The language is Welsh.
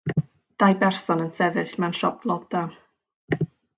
Dau berson yn sefyll mewn siop flodau.